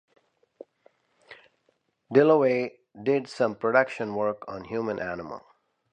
Dilloway did some production work on "Human Animal".